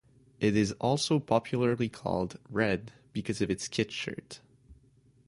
It is also popularly called "Red" because of its kit shirt.